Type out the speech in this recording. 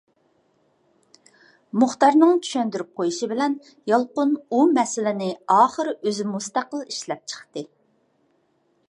مۇختەرنىڭ چۈشەندۈرۈپ قويۇشى بىلەن يالقۇن ئۇ مەسىلىنى ئاخىر ئۆزى مۇستەقىل ئىشلەپ چىقتى.